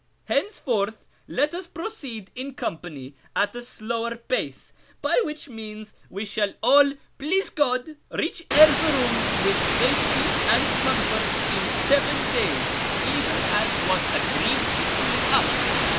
Henceforth let us proceed in company at a slower pace, by which means we shall all, please God, reach Erzeroum with safety and comfort in seven days, even as w^as agreed between us."